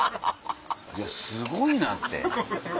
いやすごいなって。